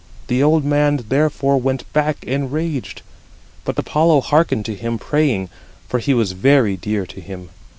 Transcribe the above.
The old man therefore went back enraged; but Apollo hearkened to him praying, for he was very dear to him.